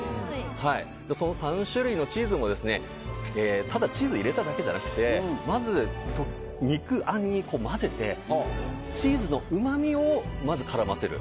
その３種類のチーズも、ただチーズを入れただけじゃなくてまず、肉あんに混ぜてチーズのうまみをまず絡ませる。